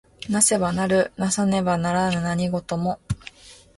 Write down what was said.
為せば成る為さねば成らぬ何事も。